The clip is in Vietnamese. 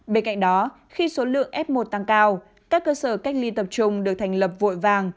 bên cạnh đó khi số lượng f một tăng cao các cơ sở cách ly tập trung được thành lập vội vàng